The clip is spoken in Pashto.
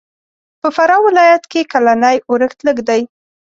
په فراه ولایت کښې کلنی اورښت لږ دی.